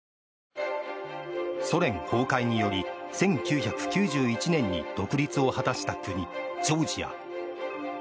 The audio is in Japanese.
ソ連崩壊により１９９１年に独立を果たした国、ジョージア。